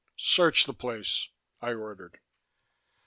"Search the place," I ordered.